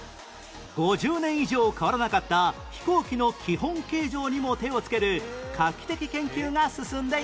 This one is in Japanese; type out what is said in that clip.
５０年以上変わらなかった飛行機の基本形状にも手をつける画期的研究が進んでいます